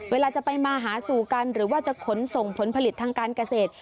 เวลาจะไปมาหาสู่กันหรือว่าจะขนส่งผลผลิตทางการเกษตร